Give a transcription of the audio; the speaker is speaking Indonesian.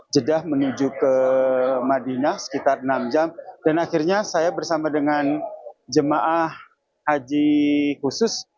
jeddah menuju ke madinah sekitar enam jam dan akhirnya saya bersama dengan jemaah haji khusus